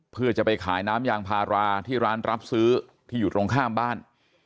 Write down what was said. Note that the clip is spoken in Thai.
เพื่อจะไปขายน้ำยางพาราที่ร้านรับซื้อที่อยู่ตรงข้ามบ้าน